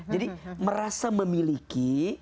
jadi merasa memiliki